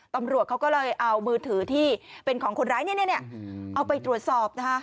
ตำรวจเขาก็เลยเอามือถือที่เป็นของคนร้ายเนี่ยเอาไปตรวจสอบนะคะ